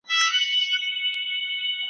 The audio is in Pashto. کینه ساتل د اخلاقو خلاف عمل دی.